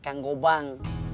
seperti kang gobang